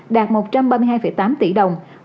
đạt một trăm ba mươi hai tám tỷ đồng